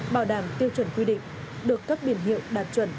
bảo đảm tiêu chuẩn quy định được cấp biển hiệu đạt chuẩn